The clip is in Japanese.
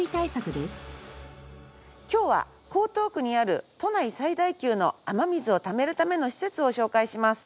今日は江東区にある都内最大級の雨水をためるための施設を紹介します。